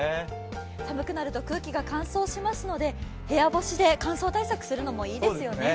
寒くなると空気が乾燥しますので部屋干しで乾燥対策するのもいいですよね。